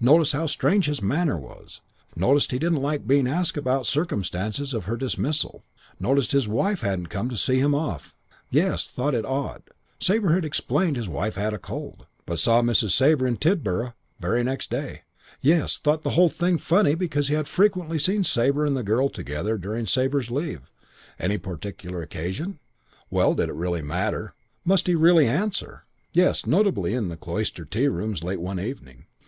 Noticed how strange his manner was; noticed he didn't like being asked about circumstances of her dismissal; noticed his wife hadn't come to see him off. Yes, thought it odd. Sabre had explained wife had a cold, but saw Mrs. Sabre in Tidborough very next day. Yes, thought the whole thing funny because had frequently seen Sabre and the girl together during Sabre's leave. Any particular occasion? Well, did it really matter? Must he really answer? Yes, notably in the Cloister tea rooms late one evening.